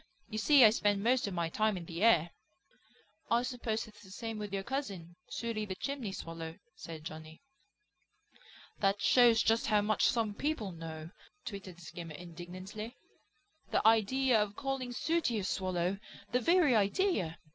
You see I spend most of my time in the air." "I suppose it's the same with your cousin; Sooty the Chimney Swallow," said Johnny. "That shows just how much some people know!" twittered Skimmer indignantly. "The idea of calling Sooty a Swallow! The very idea!